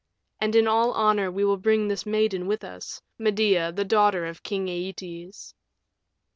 And in all honor will we bring this maiden with us, Medea, the daughter of King Æetes."